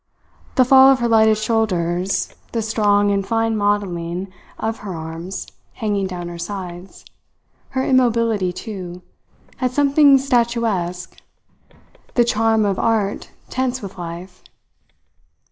The fall of her lighted shoulders, the strong and fine modelling of her arms hanging down her sides, her immobility, too, had something statuesque, the charm of art tense with life.